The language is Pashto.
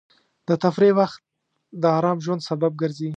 د تفریح وخت د ارام ژوند سبب ګرځي.